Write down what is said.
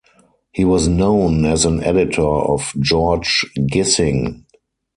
He was known as an editor of George Gissing.